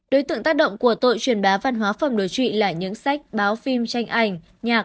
đối tượng tác động của tội truyền bá văn hóa phẩm đối trụy là những sách báo phim tranh ảnh nhạc